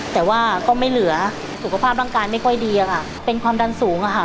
แต่ว่าก็ไม่เหลือสุขภาพร่างกายไม่ค่อยดีอะค่ะเป็นความดันสูงอะค่ะ